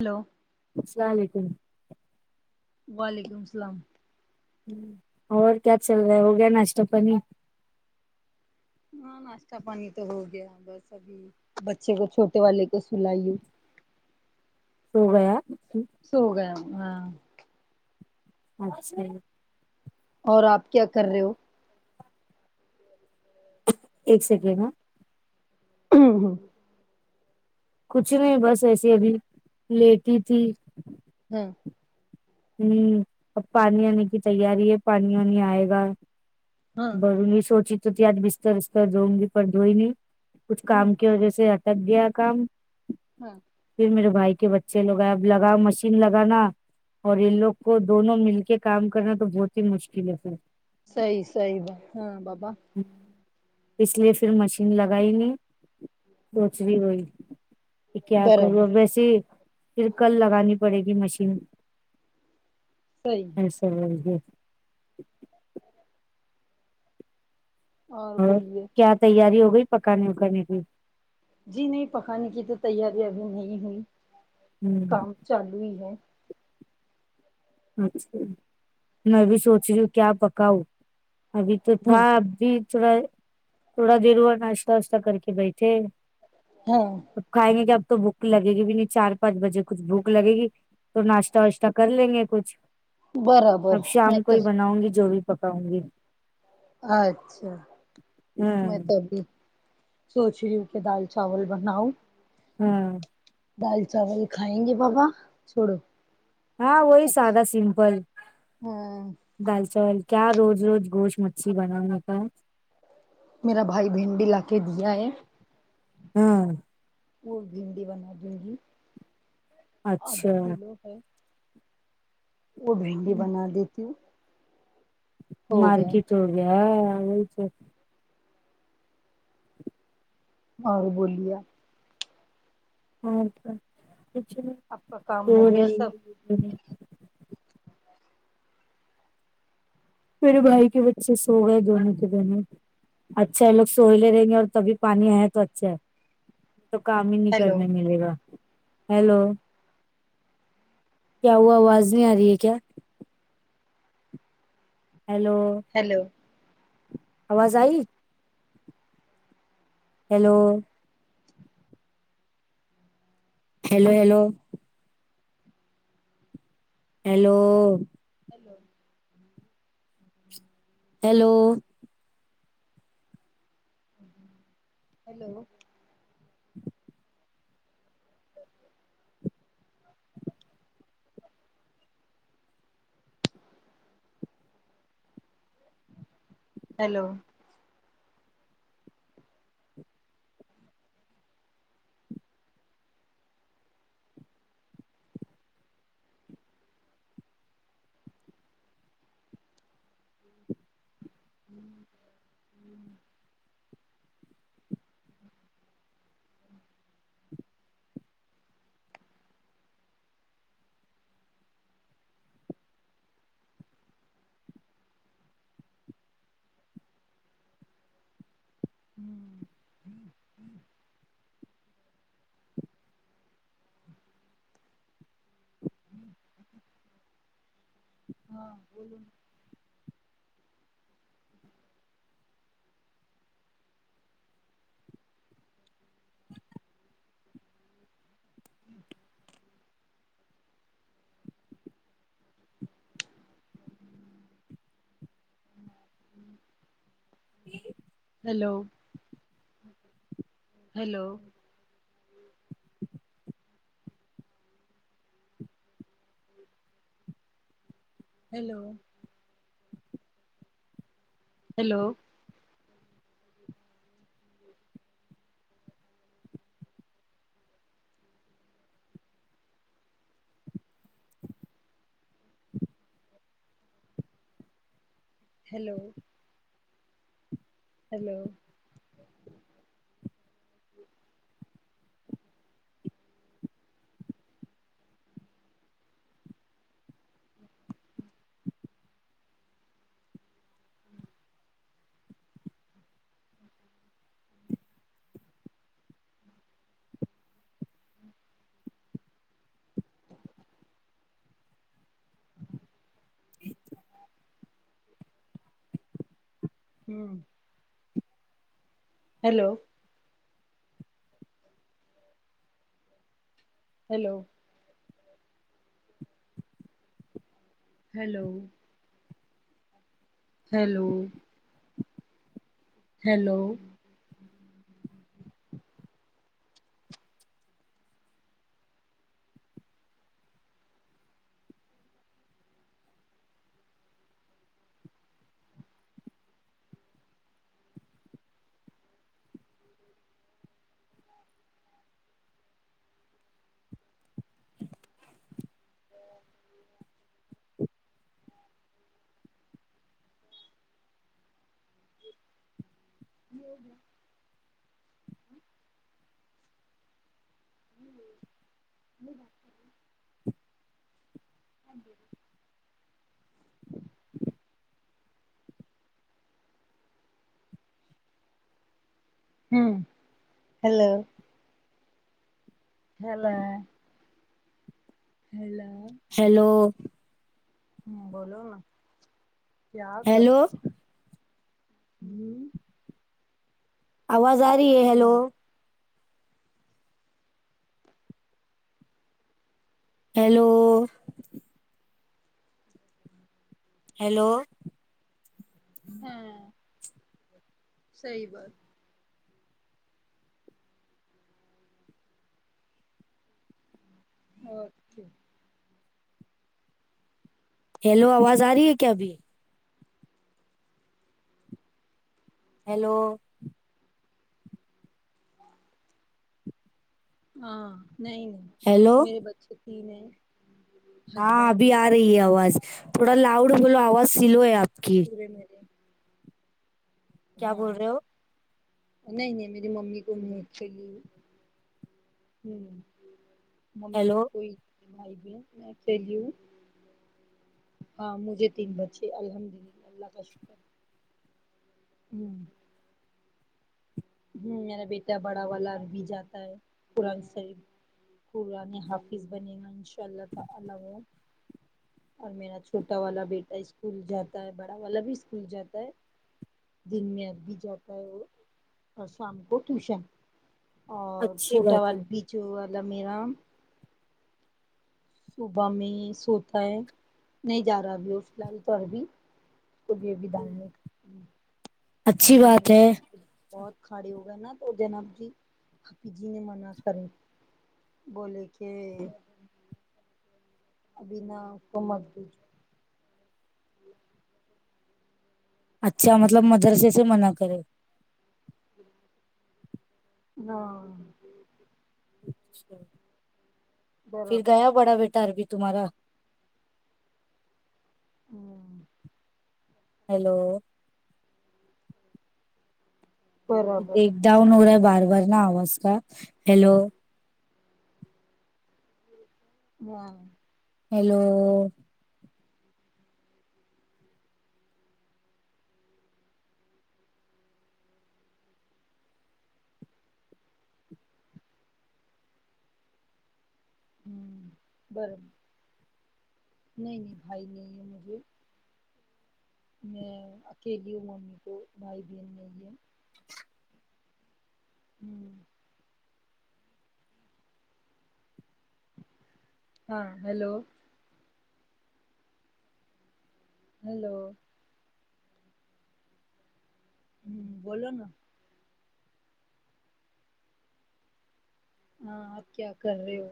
hello السلاعلیکم وعلیکم سلام اور کیا چل رہا ہے ہوگیا ناشتہ پانی ہاں ناشتہ پانی تو ہو گیا بس ابھی بچے کو چھوٹے والے کو سلائی ہوں سوگیا سوگیا ہاں اچھا اور آپ کیا کر رہے ہو ایک سیکنڈ ہاں ہ ہ کچھ نہیں بس ایسے ابھی لیٹی تھی ہاں ہوں اب پانی آنے کی تیاری ہے پانی وانی آئے گا ہاں بوںی سوچی تو تھی آج بستر وستر دھؤوں گی پر دھوئی نہیں کچھ کام کی ہاں وجہ سے تب گیا کام ہاں پھر میرے بھائی کے بچے لوگ آئے اب لگا مشین لگانا اور ان لوگ کو دونوں مل کے کام کرنا تو بہت ہی مشکل ہے پھر صحیح صحیح بات ہاں بابا ہوں اس لیے پھر مشین لگائینگے سوچ ری وہی کہ کیا کروں برابر اب ویسیے پھر کل لگانی پڑے گی مشین صحیح ایسے بول دیے اور کیا تیاری ہو گئی پکانے وکانے کی جی نہیں پکانے کی تو تیاری ابھی نہیں ہوئی ہ کام چالو ہی ہے اچھا میں بھی سوچ رہی ہوں کیا پکاؤں ابھی تو تھا اب بھی تھوڑا تھوڑا دیر ہوا ناشتہ واشتہ کر کے بیٹھے ہاں اب کھائیں گے کیا اب تو بھوک لگے گی بھی نہیں چار پانچ بجے کچھ بھوک لگے گی تو ناشتہ واشتہ کر لیں گے کچھ برابر اب میں شام کو تو ہی بناؤں گی جو بھی بکاؤں گی اچھا ہاں میں تو ابھی سوچ رہی یوں کے دال چاول بناؤں ہاں دال چاول کھائیں گے بابا چھوڑو ہاں وہی اچھا سادہ سمپل ہاں دال چاول کیا روز روز گوشت مچھی بنانا کا میرا بھائی بھنڈی لا کے دیا ہے ہاں وہ بھنڈی بنا دوں گی آدھا اچھا کلو ہے وہ بھنڈی بنا دیتی ہوں ہو گئے مارکیٹ ہوگیا اوچ ہے ہو بولیا [unintelligible] کچھ آپ کا کام ہو گیا نہی سب میرے بھائی کے بچے سو گئے دونوں کے دونوں اچھا ہے لو سوہئے لے رہیں گے اور تبھی پانی آیا ہے تو اچھا ہے تو کام ہی نہیں ہیلو کرنے ملے گا ہیلو کیا ہوا آواز نہیں آ رہی ہے کیا ہیلو ہیلو آواز آئی hello hello hello hello hello hello hello hello ہوں ہوں ہوں ہوں ہوں ہاں بولو [inaudible] hello hello hello hello hello hello ہوں [unintelligible] ہوں hello hello hello hello hello hello [unintelligible] [inaudible] ہاں جی ہوں ہیلو ہیلو ہیلا ہیلو ہان بولو کیا کر ہیلو جی آواز آ رہی ہے ہیلو ہیلو ہیلو ہاں صحیح بات اوکے ہیلو آواز آ رہی ہے کیا ابھی ہیلو ہاں نہیں ہیلو میرے بچے تین ہیں ہاں ہسبینڈ ابھی ہے آ رہی ہے آواز تھوڑا لاؤڈ بولو آواز سلو ہے آپ کی یہ میرے کیا ہاں بول رہے ہو نہیں نہیں میری ممی کو نہیں ایکچولی ہوں ممی کو ہیلو کوئی بھائی بہن میں چلی ہوں ہاں مجھے تین بچے الحمد للہ اللہ کا شکر ہوں ہوں میرا بیٹا بڑا والا عربی جاتا ہے قرآن شریف قرآنے حافظ بنے گا انشاء اللہ تعالی اور میرا چھوٹا والا بیٹا اسکول جاتا ہے بڑا والا بھی اسکول جاتا ہے دن میں عربی جاتا ہے وہ اور شام کو ٹیوشن اور اچھی چھوٹا بات ہے والا بھی جو والا میرا صبح میں ہی سوتا ہے نہیں جا رہا ابھی وہ فی الحال تو عربی ابھی ابھی دالنے کا ہے اچھی بات ہے بہت کھڑے ہو گئے نا تو جناب جی ہپی جی نے منع کرے بولے کہ ابھی نا اسکو مت بھیجو اچھا مطلب بھیجو مدرسے سے منع کرے نا پھر برابر گیا بڑا بیٹا عربی تمہارا ہوں ہیلو بریک ڈاؤن ہو رہا ہے بار بار نا آواز کا ہیلو واں ہیلو ہوں بر نہیں نہیں بھائی نہیں ہے مجھے میں اکیلی ہوں ممی کو بھائی بہن نہیں ہے ہوں ہاں ہیلو ہیلو ہوں بولو نا ہاں آپ کیا کر رہے ہو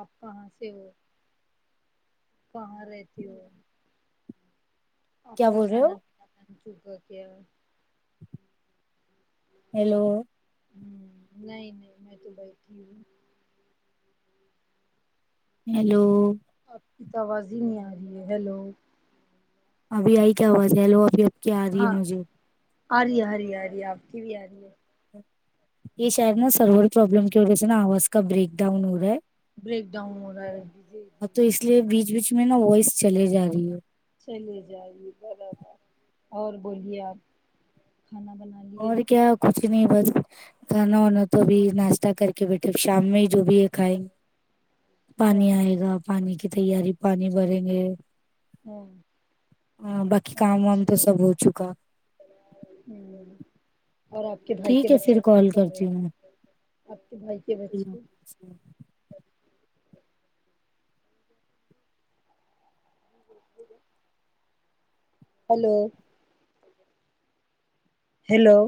آپ کہاں سے ہو کہاں رہتی ہو آپ کیا کا بول رہے ہو کھانا پینا ہے [unintelligible] ہیلو ہوں نہیں نہیں میں تو بیٹھی ہوں ہیلو آپ کی تو آواز ہی نہیں آ رہی ہے ہیلو ابھی آئی کیا آواز ہے ہیلو ابھی آپ کی آ رہی ہے ہاں مجھے آ رہی ہے آ رہی ہے آ رہی ہے آپ کی بھی آ رہی ہے یہ شاید نا سرور پروابلم کی وجہ سے نا آواز کا بریک ڈاؤن ہو رہا ہے بریک ڈاؤن ہو رہا ہے ابھی جی ہاں تو اس لیے بیچ بیچ میں نا وائس چلے جا رہی ہے چلے جارہی ہے برابر اور بولیے آپ کھانا بنا لیے اور کیا کچھ بھی نہیں باجی کھانا ہونا تو ابھی ناشتہ کر کے بیٹھے اب شام میں ہی جو بھی ہے کھائیں گے ہاں پانی آئے گا پانی کی تیاری پانی بھریں گے ہاں ہاں باقی کام وام تو اچھا سب ہو چکا ہوں اور آپ کے بھائی کے ٹھیک ہے بچے پھر کیا کال کر رہے کرتی ہوں آپ کے بھائی کے بچے میں ہلو ہیلو